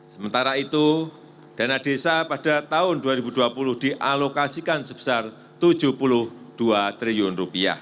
sementara itu dana desa pada tahun dua ribu dua puluh dialokasikan sebesar rp tujuh puluh dua triliun